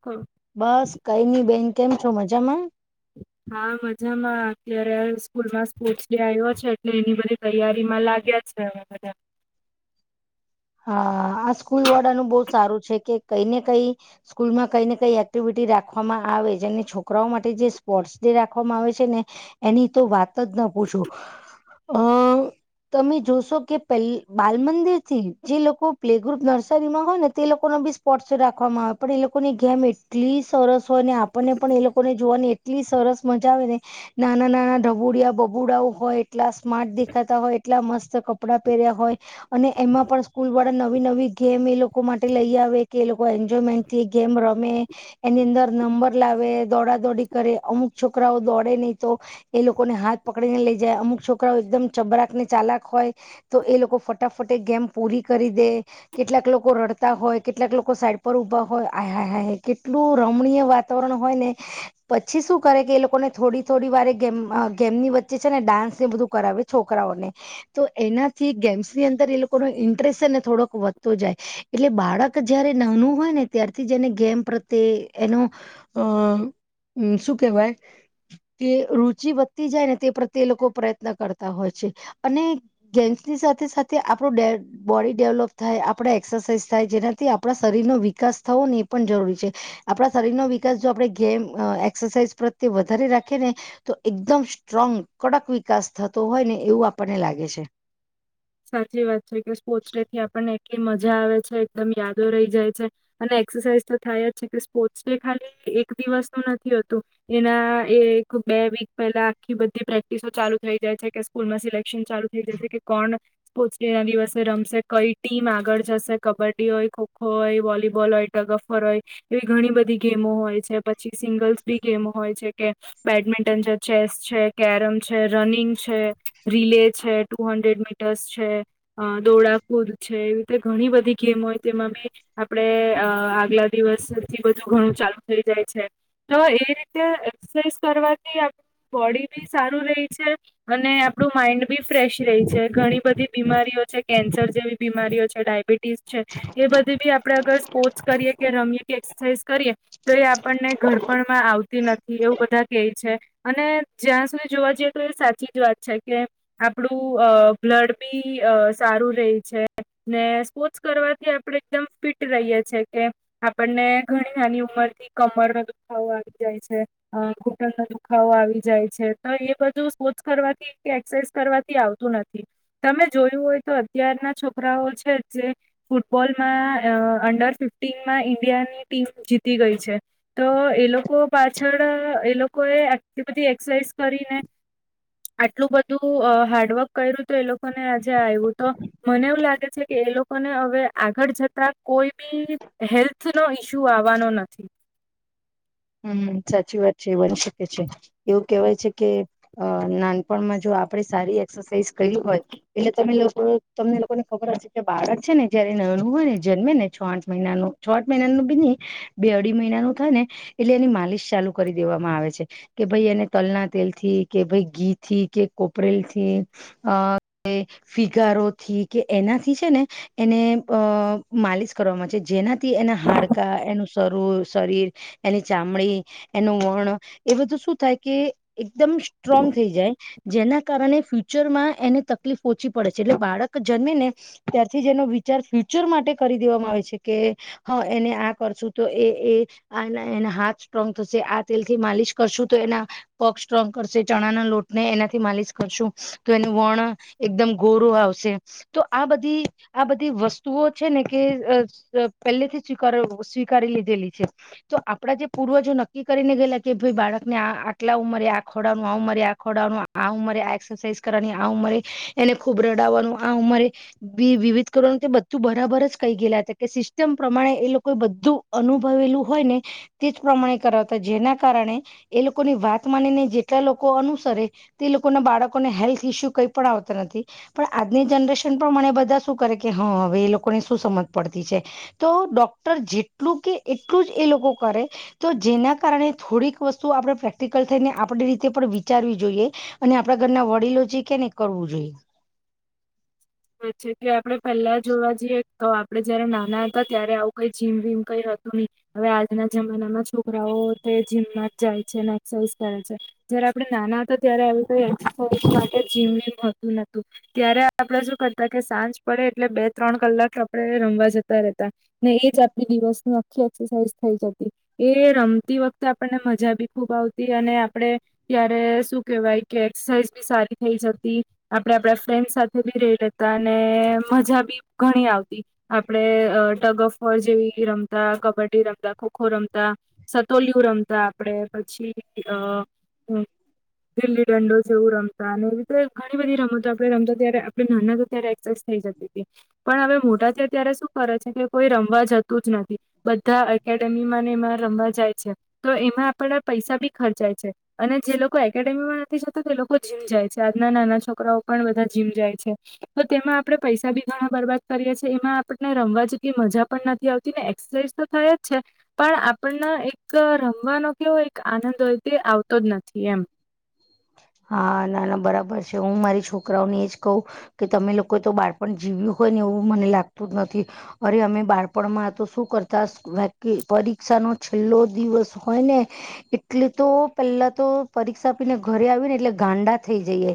કુલુ બસ કઈ નહીં બેન કેમ છો, મજામાં? હા મજામાં અત્યારે આ સ્કૂલમાં સ્પોર્ટ્સ ડે આવ્યો છે એટલે એની બધી તૈયારીમાં લાગ્યા છે હવે બધા. હા આ સ્કૂલવાળાનું બહુ સારું છે કે કઈ ને કઈ. સ્કૂલમાં કઈ ને કઈ એક્ટિવિટી રાખવામાં આવે જેને છોકરાઓ માટે જે સ્પોર્ટ્સ ડે રાખવામાં આવે છે ને. એની તો વાત જ ના પૂછો. અ તમે જોશો કે પેલા થી બાલ મંદિર થી જે લોકો પ્લે ગ્રુપ નર્સરીમાં હોય ને તે લોકોનો બી સ્પોટ રાખવામાં આવે પણ એ લોકોની ગેમ એટલી સરસ હોય ને આપણને પણ એ લોકોને જોવાની એટલી સરસ મજા આવે ને. નાના નાના ડઢબુડિયા બબુડાઓ હોય એટલા સ્માર્ટ દેખાતા હોય એટલા મસ્ત કપડા પહેર્યા હોય. અને એમાં પણ સ્કૂલ વાળા નવી નવી ગેમ એ લોકો માટે લઈ આવે કે એ લોકો એન્જોયમેન્ટ થી ગેમ રમે. એની અંદર નંબર લાવે દોડા દોડી કરે અમુક છોકરાઓ દોડે નહી તો. એ લોકોને હાથ પકડી ને લઇ જાય અમુક છોકરાઓ એકદમ ચબરાક ને ચાલાક હોય. તો એ લોકો ફટાફટે ગેમ પૂરી કરી દે. કેટલાક લોકો રડતા હોય કેટલાક લોકો સાઈડ પર ઉભા હોય આય હાય હાય કેટલું રમણીય વાત તરણ હોય ને. પછી શું કરે કે એ લોકોને થોડી થોડી વારે ગેમ ગેમની વચ્ચે છે ને ડાન્સ ને બધું કરાવે. છોકરાઓને, તો એનાથી ગેમ્સની અંદર એ લોકોનો ઇન્ટરેસ્ટને થોડોક વધતો જાય. એટલે બાળક જયારે નાનું હોય ને ત્યારથી જ એને ગેમ પ્રત્યે એનો અ શું કેહેવાય. તે રુચિ વધતી જાય ને તે પ્રત્યે લોકો પ્રયત્ન કરતા હોય છે, અને ગેંગ્સની સાથે સાથે આપણો ડે બોડી ડેવલોપ થાય આપણે એક્સરસાઇઝ થાય જેનાથી આપણા શરીરનો વિકાસ થવો ને એ પણ જરૂરી છે. આપણા શરીર નો વિકાસ જો આપણે ગેમ એક્સરસાઇઝ પ્રત્યે વધારે રાખીએ ને. તો એકદમ સ્ટ્રોંગ કડક વિકાસ થતો હોય ને એવું આપણને લાગે છે. સાચી વાત છે કે સ્પોર્ટ્સ ડે થી આપણને એટલી મજા આવે છે એકદમ યાદો રહી જાય છે. અને એક્સરસાઇઝ તો થાય જ છે કે સ્પોર્ટ્સ ડે ખાલી એક દિવસ ન નથીતું. એના એ એક બે વીક પહેલા આખી બધી પ્રેક્ટિસો ચાલુ થઈ જાય છે કે સ્કૂલમાં સિલેક્શન ચાલુ થઈ જશે કે કોણ સ્પોર્ટ્સ ડે ના દિવસે રમશે કઈ ટીમ આગળ જશે કબડ્ડી હોય ખોખો હોય વોલીબોલ હોય. ગોળાફોર હોય, એવી ઘણી બધી ગેમો હોય છે પછી સિંગલ્સ બી ગેમ હોય છે કે. બેડમિન્ટન છે ચેસ છે કેરમ છે રનિંગ છે રીલે છે, ટુ હન્ડ્રેડ મીટ છે દોડાકૂદ છે એવી રીતે ઘણી બધી ગેમ હોય તેમાં આપડે અ આગલા દિવસ થી બધું ઘણું ચાલુ થઈ જાય છે. તો એ રીતે એક્સરસાઇઝ કરવાથી આપ બોડી બી સારું રહી છે, અને આપડું માઈન્ડ બી ફ્રેશ રે છે. ઘણી બધી બીમારીઓ છે કેન્સર જેવી બીમારીઓ છે ડાયબિટીસ છે, એ બધી બી આપડે અગર પોસ કરીએ કે રમીએ કે એક્સરસાઇઝ કરીએ. તો એ આપણને ઘડપણમાં આવતી નથી એવું બધા કે છે. અને જ્યાં સુધી જોવા જઈએ તો એ સાચી જ વાત છે કે આપણું અ બ્લડ બી સારું રે છે. ને સ્પોર્ટ્સ કરવાથી આપણેે એકદમ ફિટ રહીયએ છેએ કે આપણને ઘણી નાની ઉંમર થી કમર ન દુખાવો આવી જાય છે. અ ઘૂટણનો દુખાવો આવી જાય છે તો એ બધું સ્પોટ્સ કરવાથી એક્સરસાઇઝ કરવાથી આવતું નથી. તમે જોયું હોય તો અત્યારના છોકરાઓ છે જે ફૂટબોલમાં અંડર ફિફ્ટીનમાં ઈન્ડિયાની ટીમ જીતી ગઈ છે. તો એ લોકો પાછળ એ લોકો એ આટલી બધી એક્સરસાઇઝ કરીને. આટલું બધું હાર્ડવર્ક કર્યું હત એ લોકોને આજે આવ્યું તો. મને એવું લાગે છે કે એ લોકોને હવે આગળ જતા કોઈ બી હેલ્થ નો ઈસ્યુ આવવાનો નથી. હમ સાચી વાત છે એ બની શકે છે, એવું કેવાય છે કે અ નાનપણમાં જો આપડે સારી એક્સરસાઇઝ કરી હોય. એટલે તમે લોકો તમને લોકોને ખબર હશે કે બાળક છે ને જયારે નણું હોય ને જન્મે ને છ આઠ મહિનાનું. છોઠ મહિનાનું બી નહી બે અઢી મહિનાનું થાય ને એટલે એની માલિશ ચાલુ કરી દેવામાં આવે છે. કે ભાઈ એને તલના તેલ થી કે ભાઈ ઘી થી કે કોપરેલ થી. અ તે ફિગારોથી કે એનાથી છે ને, એને અ માલિશ કરવાવામાં છે જેના થી એના હાડકા એનું શર શરીર, એની ચામડી. એનું વણ, એ બધું શું થાય કે એકદમ સ્ટ્રોંગ થઈ જાય. જેના કારણે ફ્યુચર માં એને તકલીફ ઓછી પડે છે એટલે બાળક જન્મી ને. ત્યારથી જેનો વિચાર ફ્યુચર માટે કરી દેવામાં આવે છે કે હા એને આ કરશું તો એ એ આ એના હાથ સ્ટ્રોંગ થશે આ તેલ થી માલિશ કરશું તો એના પગ સ્ટ્રોંગ કરશે ચણા ના લોટ ને એનાથી માલિશ કરશું. તો એનું વણ એકદમ ગોર આવશે, તો આ બધી આ બધી વસ્તુઓ છે ને કે પેલેથી સ્વીકાર સ્વીકારી લીધેલી છે. તો આપડા જે પૂર્વજો નક્કી કરીને ગયેલા કે ભાઈ બાળકને આ આટલા ઉમરે આ ખોડાનું આ ઉ મરે આ ખોડાનું આવું મરે એક્સરસાઇઝ કરવાની આવું મરે, એને ખૂબ રડાવવાનું આ ઉમરે વિવિધ કરવા તે બધું બરાબર જ કહી ગયેલા હતા કે સિસ્ટમ પ્રમાણે એ લોકો બધું અનુભવેલું હોય ને. તે જ પ્રમાણે કરાવતા જેના કારણે, એ લોકોની વાત માનીને જેટલા લોકો અનુસરે. તે લોકોના બાળકોને હેલ્થ ઈસ્યુ કઈ પણ આવતો નથી. પણ આજની જનરેશન પણ મને બધા શું કરે કે હા હવે એ લોકોને શું સમજ પડતી છે. તો ડોક્ટર જેટલું કે એટલું જ એ લોકો કરે. તો જેના કારણે થોડીક વસ્તુ આપણે પ્રેક્ટિકલ થઈને આપણી રીતે પણ વિચારવી જોઈએ. અને આપડા ઘરના વડીલો જે કેને કરવું જોઈએ. અચ્છા કે આપડે પહેલા જોવા જઈએ. તો આપડે જયારે નાના હતા ત્યારે આવું કઈ જીમ વીમ કઈ હતું નહી. હવે આજના જમાનામાં છોકરાઓ તે જીમમાં જાય છે ને એક્સરસાઇઝ કરે છે. જયારે આપણે નાના હતા ત્યારે કોઈ એક્રસાઝ માટે જીમમતું નતું. ત્યારે આપડે શું કરતા કે સાંજ પડે એટલે બે ત્રણ કલાક આપડે રમવા જતા. હતા, ને એજ આપ દિવસ ની આખી એક્સરસાઇઝ થઈ જતી. એ રમતી વખતે આપણને મજા બી ખુબ આવતી અને આપડે. ત્યારે શું કેવાય કે એક્સરસાઇઝ બી સારી થઈ જતી. આપડે આપડા ફ્રેન્ડ સાથે બી રહી લેતા અને મજા બી ઘણી આવતી. આપડે ટગ ઓફ વોર જેવી રમતા કબડ્ડી રમતા ખોખો રમતા. સતોલિયું રમતા આપડે પછી અ દિલ્લી રં જેેવરમ અને એવી રીતે ઘણી બધી રમતો આપડણે રમતો ત્યારે આપ ના ત્યારે એક્ઝ થઈ જતી હતી. પણ હવે મોટા છે ત્યારે શું કરે છે કે કોઈ રમવા જતું જ નથી. બધા એકેડેમીમાંને એમાં રમવા જાય છે, તો એમાં આપડા પૈસા બી ખર્ચાય છે. અને જે લોકો એકેડેમીમાં નથી જતા તે લોકો જીમ જાય છે આજના નાના છોકરાઓ પણ બધા જીમ જાય છે. તો તેમાં આપડે પૈસા બી ઘણા બરબાદ કરીએ છીએ એમાં આપણને રમવા જે કે મજા પણ નથી આવતી ને એક્સરસાઇઝ તો થયા જ છે પણ આપણને એક રમવાનો કેવો એક આનંદ હોય તે આવતો જ નથી એમ. હા નાના બરાબર છે હું મારી છોકરાઓને એ જ કહું કે તમે લોકો તો બાળપણ જીવ્યું હોય ને એવું મને લાગતું જ નથી અરે અમે બાળપણમાં તો શું કર તાસ વે પરીક્ષાનો છેલ્લો દિવસ હોય ને એટલે તો પેલા તો પરીક્ષા આપીને ઘરે આવી ને એટલે ગાંડા થઈ જઈએ.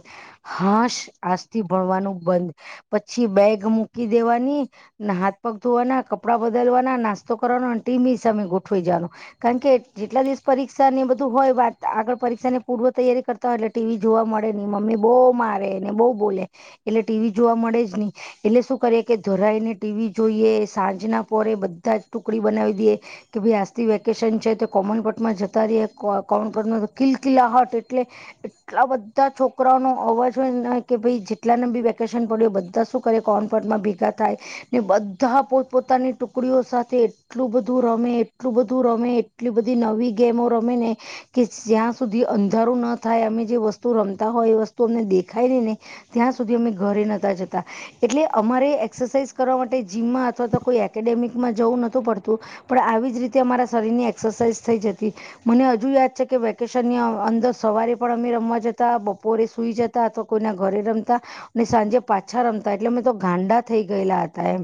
હાશ આજથી ભણવાનું બંધ. પછી બેગ મૂકી દેવાની ને હાથ પગ ધોવાના કપડા બદલવાના નાસ્ તો કરોના ટી મી સમય ગુઠવાઈ જવાનું. કારણ કે જેટલા દિવસ પરીક્ષા ને બધું હોય વાત આગળ પરીક્ષા ની પૂર્વ તૈયારી કર તો એટલે ટી વી જોવા મળે નહી મમ્મી બહુ મારે ને બહુ બોલે એટલે ટી વી જોવા મળે જ નહી. એટલે શું કરીએ કે ધરાઈને ટી વી જોઈએ સાંજના પોરે બધા જ ટુકડી બનાવી દઈએ કે ભાઈ આજથી વેકેશન છે તે કોમનપટમાં જતા રહીએ કોમનપટમાં કિલ કિલ્લા હટ એટલે એટલા બધા છોકરાઓ નો અવાજ હોય કે ભાઈ જેટલાને બી વેકેશન પડયો બધા સુખ કે કોફટમાં ભેગા થાય ને બધા પોત પોતાની ટુકડીઓ સા તે એટલું બધું રમે એટલું બધું રમે એટલી બધી નવી ગેમો રમે ને કે જ્યાં સુધી અંધારું ના થાય અમે જે વસ્તુ રમતા હોય એ વસ્તુ અમને દેખાય ને ને ત્યાં સુધી અમે ઘરે નતા જતા. એટલે અમારે એક્સરસાઇઝ કરવા માટે જીમમાં અથવા તો કોઈ એકેડેમિકમાં જવું નતું પડતું પણ આવી જ રીતે અમારા શરીરની એક્સરસાઇઝ થઈ જતી. મને હજુ યાદ છે કે વેકેશન ની અંદર સવારે પણ અમે રમવા જતા બપોરે સુઈ જ તા કોઈના ઘરે રમતા અને સાંજે પાછા રમતા એટલે મેમે તો ગાંડા થઈ ગયેલા હતા એમ.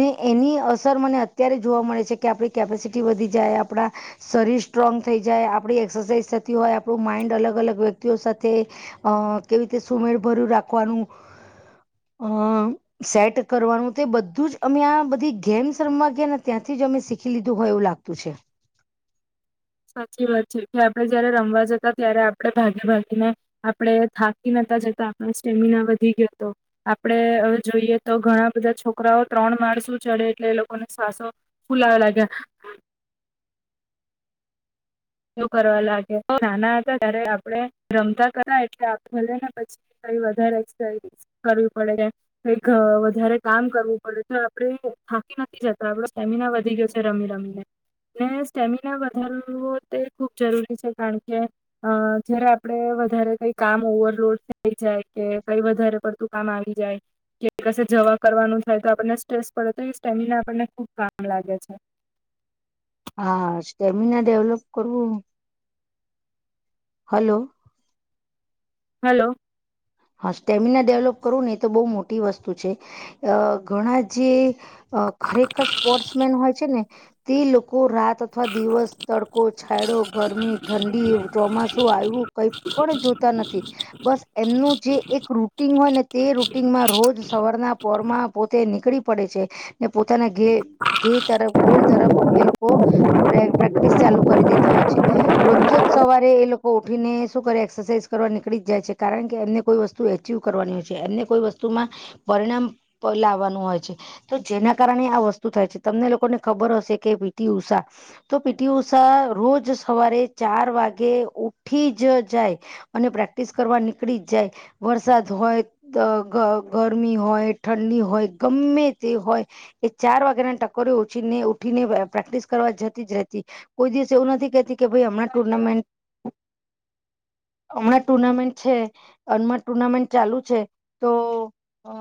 ને એની અસર મને અત્યારે જોવા મળે છે કે આપડી કેપેસિટી વધી જાય આપડા શરીર સ્ટ્રોંગ થઈ જાય આપડી એક્સરસાઇઝ થતી હોય આપડું માઈન્ડ અલગ અલગ વ્યક્તિઓ સાથે અહ કેવી રીતે સુમેળ ભર્યું રાખવાનું અહ સેટ કરવાનું તે બધું જ અમે આ બધી ગેમ્સ રમવા જેના ત્યાંથીજ અમે શીખી લીધું હોય એવું લાગતું છે. સાચી વાત છે કે આપડે જયારે રમવા જતા ત્યારે આપડે ભાગી ભાગીને આપડે થાકી નતા જતા આપડું સ્ટેમિના વધી ગયો તો આપડે અહ જોઈએ તો ઘણા બધા છોકરાઓ ત્રણ માળસું ચડે એટલે એ લોકોને શ્વાસો ફુલાવા લાગે. એવું કરવા લાગે નાના હતા ત્યારે આપડે રમતા કર એટલે આપ ભલેને પછી વધારે એ કરવી કરવી પડે કે કઈક અહ વધારે કામ કરવું પડે તો આપડે થાકી નથી જતો આપડો સ્ટેમિના વધી ગયો રમી રમીને ને સ્ટેમિના વધારવો તે ખૂબ જરૂરી છે કારણ કે અહ જયારે આપડે વધારે કઈ કામ ઓવરલોડ થઈ જાય કે કઈ વધારે પડ તું કામ આવી જાય. કે કશે જવા કરવાનું થાય તો આપણને સ્ટ્રેસ પડે તો એ સ્ટેમિના આપણને ખુબ કામ લાગે છે. હા, સ્ટેમિના ડેવલોપ કરવું હલો. હલો. હા, સ્ટેમિના ડેવલોપ કરું ને એ તો બહુ મોટી વસ્તુ છે. અહ ઘણા જે અહ ખરેખર સ્પોર્ટ્સ મેન હોય છે ને તે લોકો રાત અથવા દિવસ તડકો છાયડો ગરમી ઠંડી ચોમાસું આવ્યું કઈ પણ જોતા નથી, બસ એમનું જે એક રૂટિન હોય ને તે રૂટિનમાં રોજ સવારના પોરમાં પોતે નીકળી પડે છે. ને પોતાના ઘે ઘે તરફ ગોલ તરફ એ લોકો. પ્રેક્ટિસ ચાલુ કરી દેતા હોય છે. રોજજ સવારે એ લોકો ઉઠીને શું કરે એક્સરસાઇઝ કરવા નીકળી જાય છે કારણ કે એમને કોઈ વસ્તુ એચિવ કરવાની હોય છે એમને કોઈ વસ્તુમાં, પરિણામ લાવવાનું હોય છે. તો જેના કારણે આ વસ્તુ થાય છે તમને લોકોને ખબર હશે કે ભીટી ઉષા. તો પીટી ઉષા રોજ સવારે ચાર વાગે ઉઠી જ જાય. અને પ્રેક્ટિસ કરવા નીકળી જ જાય, વરસાદ હોય. અ ગરમી હોય ઠંડી હોય ગમે તે હોય. એ ચાર વાગ્યા ના ટકોરી ઉઠીને ઉઠીને પ્રેક્ટિસ કરવા જતી જ રહેતી. કોઈ દિવસ એવું નથી કહેતી કે ભાઈ હમણાં ટુર્નામેન્ટ હ છે [inaudible] હમણાં ટુર્નામેન્ટ છે. અનમન ટુર્નામેન્ટ ચાલુ છે, તો અ